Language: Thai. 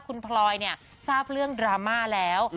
คุณพลอยเนี่ยทราบเรื่องดราม่าแล้ว